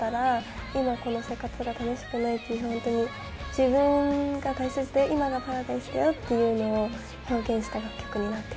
自分が大切で今がパラダイスだよっていうのを表現した楽曲になっております。